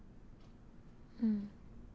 うん。